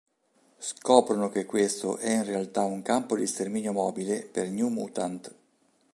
Scoprono che questo è in realtà un campo di sterminio mobile per New Mutant.